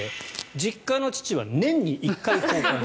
実家の父は年に１回交換。